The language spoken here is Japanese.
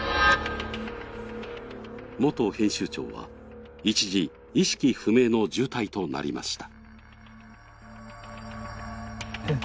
元編集長は一時、意識不明の重体となりました。